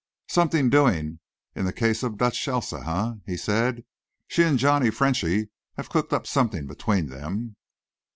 "Something doing in the case of Dutch Elsa, eh?" he said; "she and Johnny Frenchy have cooked up something between them."